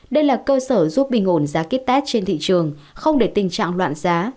đây là cơ sở giúp bình ổn giá kit test trên thị trường không để tình trạng loạn giá